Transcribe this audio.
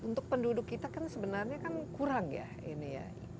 untuk penduduk kita kan sebenarnya kan kurang ya ini ya